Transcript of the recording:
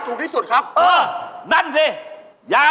โทรศัพท์สั่นได้ไง